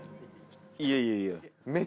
いやいやいや。